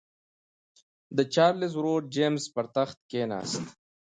د چارلېز ورور جېمز پر تخت کېناست.